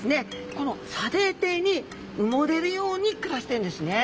この砂泥底に埋もれるように暮らしてるんですね。